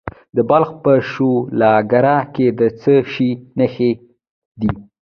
د بلخ په شولګره کې د څه شي نښې دي؟